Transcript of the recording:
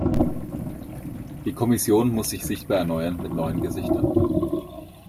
Die Kommission muss sich sichtbar erneuern mit neuen Gesichtern.